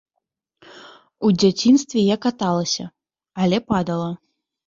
У дзяцінстве я каталася, але падала.